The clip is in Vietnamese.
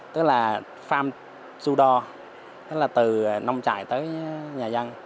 đó là farm to door tức là từ nông trại tới nhà văn